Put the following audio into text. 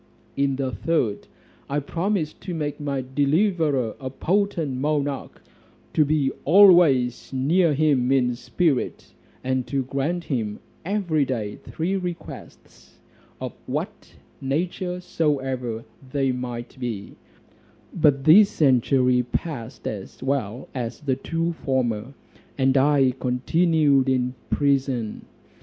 In the third, I promised to make my deliverer a potent monarch, to be always near him in spirit, and to grant him every day three requests, of what nature soever they might be: but this century passed as well as the two former, and I continued in prison.